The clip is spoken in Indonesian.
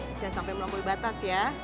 jangan sampai melonggol batas ya